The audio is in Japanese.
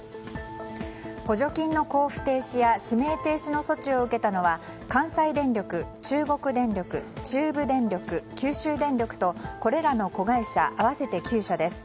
補助金の交付停止や指名停止の措置を受けたのは関西電力、中国電力中部電力、九州電力とこれらの子会社合わせて９社です。